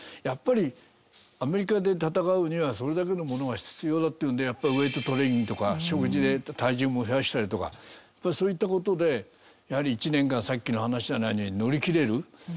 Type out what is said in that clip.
やっぱりアメリカで戦うにはそれだけのものが必要だっていうのでウエイトトレーニングとか食事で体重も増やしたりとかそういった事でやはり１年間さっきの話じゃない乗り切れる。